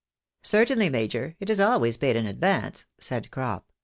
" Certainly, major, it is always paid in advance," said Crop.